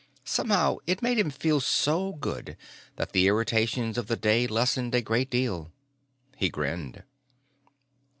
Somehow, it made him feel so good that the irritations of the day lessened a great deal. He grinned.